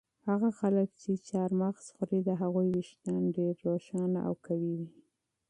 هغه خلک چې چهارمغز خوري د هغوی ویښتان ډېر روښانه او قوي وي.